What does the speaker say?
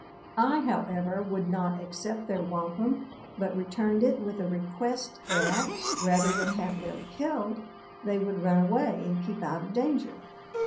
I however, would not accept their wampum, but returned it with a request, that, rather than have them killed, they would run away and keep out of danger.